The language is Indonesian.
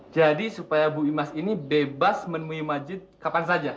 jadi supaya bu imbas ini bebas menemui wajib kapan saja